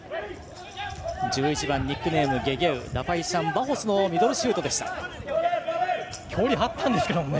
１１番、ニックネームがゲゲウダパイシャンバホスのミドルシュートでした。